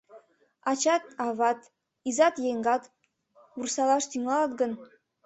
Ачат-ават, изат-еҥгат вурсалаш тӱҥалыт гын